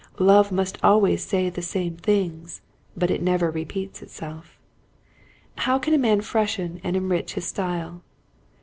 Love must always say the same things, but it never repeats itself. How can a man freshen and enrich his style